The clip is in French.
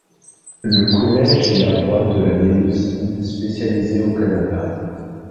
Le collège est la voix de la médecine spécialisée au Canada.